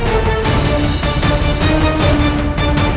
aku mau tahu seberapa hebat